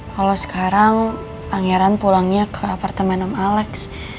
kalo sekarang pangeran pulangnya ke apartemen om alex